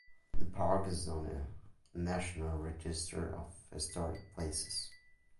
The Park is on the National Register of Historic Places.